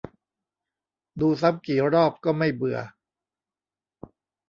ดูซ้ำกี่รอบก็ไม่เบื่อ